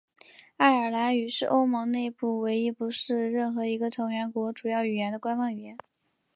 爱尔兰语是欧盟内部唯一不是任何一个成员国主要语言的官方语言。